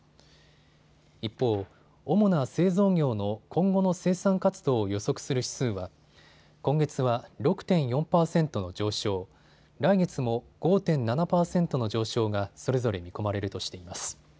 一方、主な製造業の今後の生産活動を予測する指数は今月は６．４％の上昇、来月も５．７％の上昇がそれぞれ見込まれるとしています。